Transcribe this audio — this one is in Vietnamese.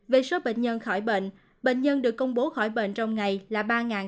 về số bệnh nhân khỏi bệnh bệnh nhân được công bố khỏi bệnh trong ngày là ba tám trăm bảy mươi ba